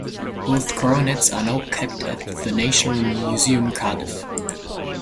Both coronets are now kept at the National Museum Cardiff.